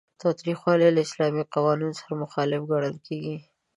تاوتریخوالی له اسلامي قوانینو سره مخالف ګڼل کیږي.